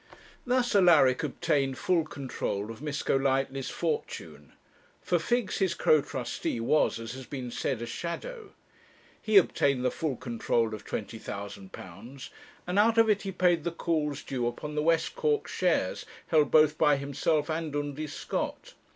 Thus Alaric obtained full control of Miss Golightly's fortune: for Figgs, his co trustee, was, as has been said, a shadow. He obtained the full control of £20,000, and out of it he paid the calls due upon the West Cork shares, held both by himself and Undy Scott.